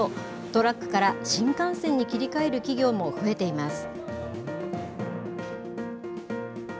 トラックから新幹線に切り替える企業も増えています。